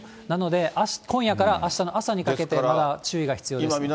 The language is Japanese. なので今夜からあしたの朝にかけてまだ注意が必要です。